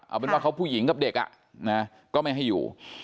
เอาเป็นว่าเขาผู้หญิงกับเด็กก็ไม่ให้อยู่